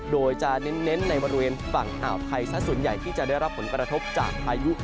โดยจะเน้นในบริเวณฝั่งอ่าวไทยซะส่วนใหญ่ที่จะได้รับผลกระทบจากพายุ